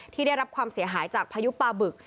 ได้รับความเสียหายจากพายุปลาบึก